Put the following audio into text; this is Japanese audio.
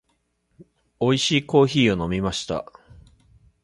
美味しいコーヒーを飲みました。